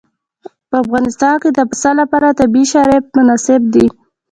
په افغانستان کې د پسه لپاره طبیعي شرایط مناسب دي.